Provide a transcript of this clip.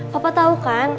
papa tau kan